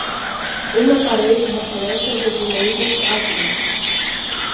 Uma parede repleta de azulejos azuis